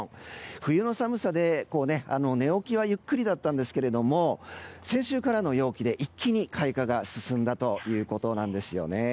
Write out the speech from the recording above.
冬の寒さで、寝起きはゆっくりだったんですけれども先週からの陽気で一気に開花が進んだということなんです。